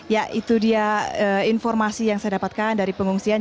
ya itu dia informasi yang saya dapatkan dari pengungsian